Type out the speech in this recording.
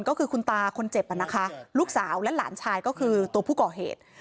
ก็คือคุณตาคนเจ็บนะคะลูกสาวและหลานชายก็คือตัวผู้ก่อเหตุ